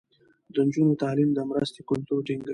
د نجونو تعليم د مرستې کلتور ټينګوي.